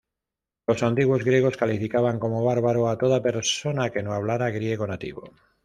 Los antiguos griegos calificaban como "bárbaro"- a toda persona que no hablara griego nativo.